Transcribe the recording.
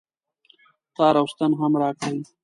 تار او ستن هم راکړئ